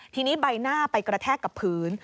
ทีนี้ใบหน้าไปกระแทกกับพื้น